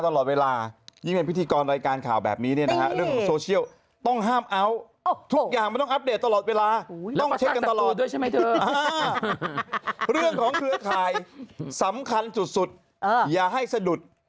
เรื่องของเครือข่ายสำคัญสุดอย่าให้สะดุด